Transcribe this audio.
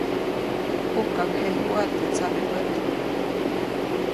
ʼUjkaŋjejuʼa teʼ tsamepät.